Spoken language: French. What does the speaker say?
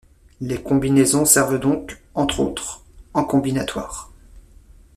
Les combinaisons servent donc, entre autres, en combinatoire.